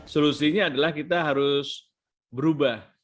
solusinya adalah kita harus berubah